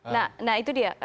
nah itu dia